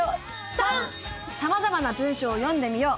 ３！「さまざまな文章を読んでみよう」。